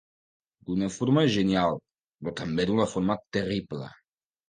D'una forma genial, però també d'una forma terrible.